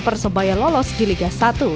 persebaya lolos di liga satu